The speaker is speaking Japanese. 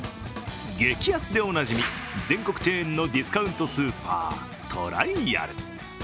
激安でおなじみ、全国チェーンのディスカウントスーパートライアル。